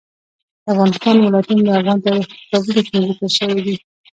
د افغانستان ولايتونه د افغان تاریخ په کتابونو کې ذکر شوی دي.